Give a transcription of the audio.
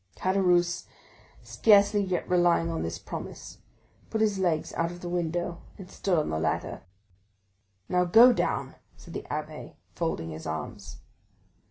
Caderousse, scarcely yet relying on this promise, put his legs out of the window and stood on the ladder. "Now go down," said the abbé, folding his arms.